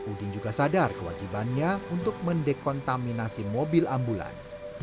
udin juga sadar kewajibannya untuk mendekontaminasi mobil ambulan